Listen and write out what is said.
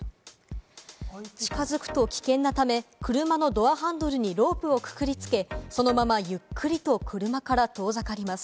近づくと危険なため、車のドアハンドルにロープをくくりつけ、そのままゆっくりと車から遠ざかります。